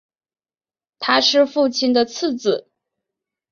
他是父亲的次子。